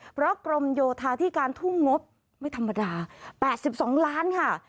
เพราะกรมโยธาธิการทุ่งงบไม่ธรรมดา๘๒ล้านค่ะ